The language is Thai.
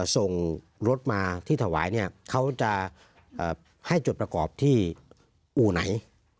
ส่งรถมาที่ถวายเนี่ยเขาจะให้จดประกอบที่อู่ไหน